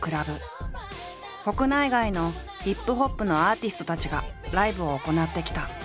国内外のＨＩＰＨＯＰのアーティストたちがライブを行ってきた。